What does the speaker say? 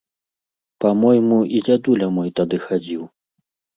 Па-мойму, і дзядуля мой тады хадзіў.